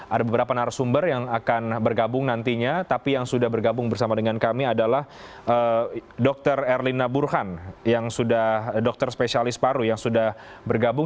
ada beberapa narasumber yang akan bergabung nantinya tapi yang sudah bergabung bersama dengan kami adalah dr erlina burhan yang sudah dokter spesialis paru yang sudah bergabung